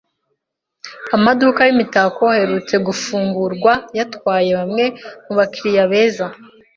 Amaduka yimitako aherutse gufungurwa yatwaye bamwe mubakiriya beza.